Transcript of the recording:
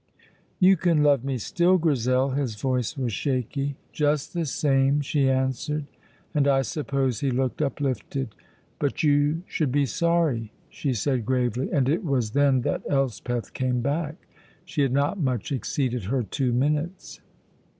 "You can love me still, Grizel!" His voice was shaky. "Just the same," she answered, and I suppose he looked uplifted. "But you should be sorry," she said gravely, and it was then that Elspeth came back. She had not much exceeded her two minutes.